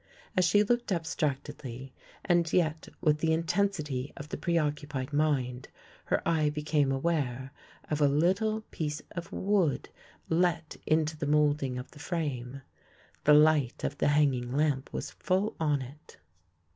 As she looked abstractedly and yet with the intensity of the preoccupied mind, her eye became aware of a little piece of wood let into the moulding of the frame. The light of the hanging lamp was full on it.